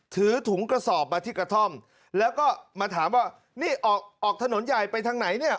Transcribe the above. ถือถุงกระสอบมาที่กระท่อมแล้วก็มาถามว่านี่ออกออกถนนใหญ่ไปทางไหนเนี่ย